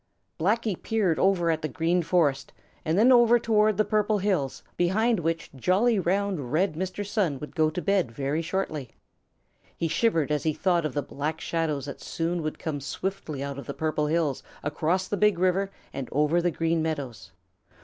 Blacky peered over at the Green Forest and then over toward the Purple Hills, behind which jolly, round, red Mr. Sun would go to bed very shortly. He shivered as he thought of the Black Shadows that soon would come swiftly out from the Purple Hills across the Big River and over the Green Meadows.